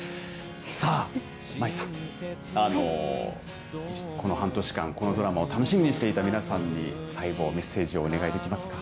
さあ、舞さん、この半年間、このドラマを楽しみにしていた皆さんに、最後、メッセージをお願いできますか。